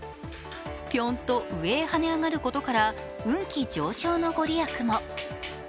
ぴょんと上へ跳ね上がることから運気上昇の御利益も。